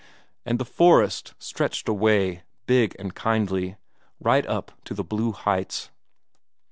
And the forest stretched away, big and kindly, right up to the blue heights.